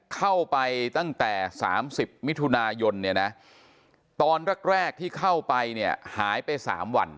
เข้าไปตั้งแต่๓๐มิถุนายนเนี่ยนะตอนแรกที่เข้าไปเนี่ยหายไป๓วัน